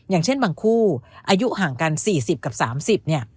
อย่างเช่นบางคู่อายุห่างกันสี่สิบกับสามสิบเนี่ย